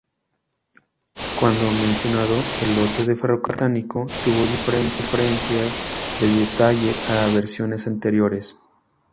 Cuando mencionado, el lote de Ferrocarriles británico tuvo diferencias de detalle a versiones anteriores.